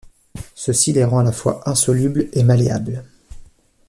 Ceci les rend à la fois insoluble et malléable.